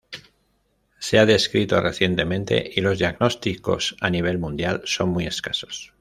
Se ha descrito recientemente y los diagnósticos a nivel mundial son muy escasos.